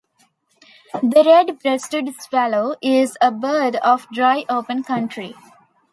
The red-breasted swallow is a bird of dry open country.